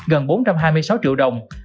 gần bốn trăm hai mươi sáu triệu đồng